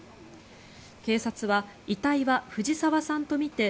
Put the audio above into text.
警察は遺体は藤沢さんとみて